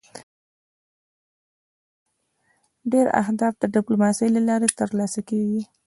د بهرني سیاست ډېری اهداف د ډيپلوماسی له لارې تر لاسه کېږي.